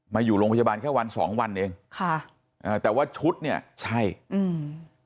อยู่โรงพยาบาลแค่วันสองวันเองค่ะอ่าแต่ว่าชุดเนี้ยใช่อืม